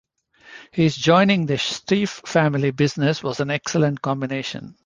His joining the Stieff family business was an excellent combination.